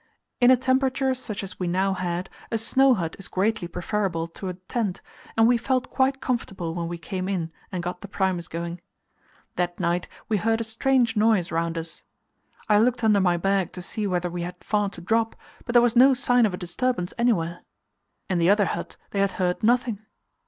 In a temperature such as we now had, a snow hut is greatly preferable to a tent, and we felt quite comfortable when we came in and got the Primus going. That night we heard a strange noise round us. I looked under my bag to see whether we had far to drop, but there was no sign of a disturbance anywhere. In the other but they had heard nothing.